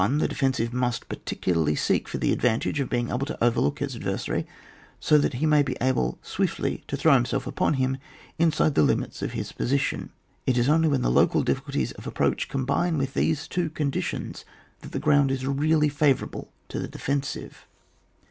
The def en si ve must particularly seek for the advantage of being able to over look his adversary, so that he may be able swiftly to throw himself upon him inside the limits of his position. It ia only when the local difficulties of ap proach combine with these two conditions that the ground is really favourable to the defensive.